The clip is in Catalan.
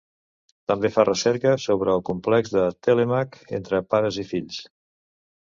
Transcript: També fa recerca sobre el complex de Telèmac entre pares i fills.